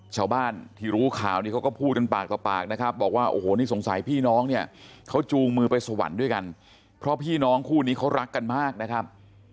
ชาวบ้านที่รู้ข่าวนี้เขาก็พูดกันปากต่อปากนะครับบอกว่าโอ้โหนี่สงสัยพี่น้องเนี่ยเขาจูงมือไปสวรรค์ด้วยกันเพราะพี่น้องคู่นี้เขารักกันมากนะครับ